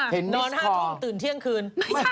นอน๕ทุ่มตื่นเที่ยงคืน